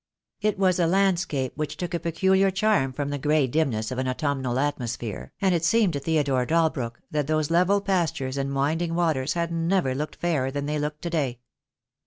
It was a landscape which took a peculiar charm from the grey dimness of an autumnal atmosphere, and it seemed to Theodore Dalbrook that those level pastures and winding waters had never looked fairer than they looked to day.